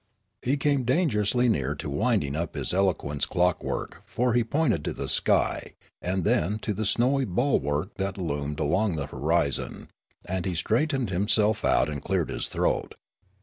He came dangerously near to winding up his elo quence clockwork, for he pointed to the sky and then to the snowy bulwark that loomed along the horizon ; and he straightened himself out and cleared his throat.